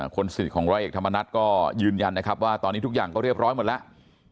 คนสิทธิ์ของร้อยเอกธรรมนัฐก็ยืนยันนะครับว่าตอนนี้ทุกอย่างก็เรียบร้อยหมดแล้ว